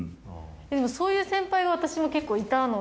でもそういう先輩が私も結構いたので。